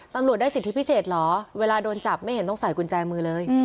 ตำรวจได้สิทธิพิเศษเหรอเวลาโดนจับไม่เห็นต้องใส่กุญแจมือเลย